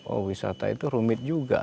oh wisata itu rumit juga